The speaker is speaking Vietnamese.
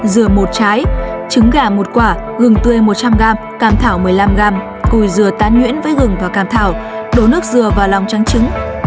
dừa một trái trứng gà một quả gừng tươi một trăm linh g càm thảo một mươi năm g củi dừa tán nhuyễn với gừng và càm thảo đổ nước dừa vào lòng trắng trứng